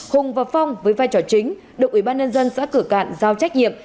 hùng và phong với vai trò chính độc ủy ban nhân dân xã cửa cạn giao trách nhiệm